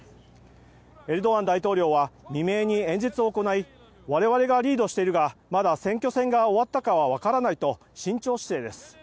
エルドアン大統領は未明に演説を行い我々がリードしているがまだ選挙戦が終わったかはわからないと慎重姿勢です。